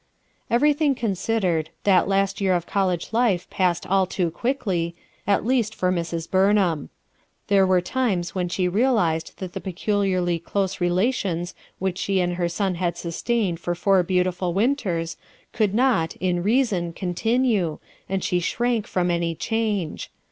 * 3 Everything consii Icred, that last year of college life passed all too quickly, at 'east for Mrs, Burnham. There were times when she realized that the peculiarly close relations which she and her son had sustained for four beautiful winters could not, in reason, continue, and she shrank from any change.